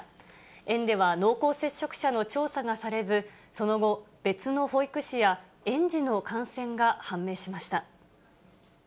園では濃厚接触者の調査がされず、その後、別の保育士や園児の感染が判明しました。